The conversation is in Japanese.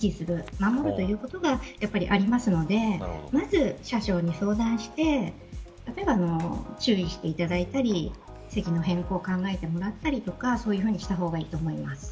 守るということがありますのでまず車掌に相談して例えば、注意していただいたり席の変更を考えてもらったりとかそういうふうにした方がいいと思います。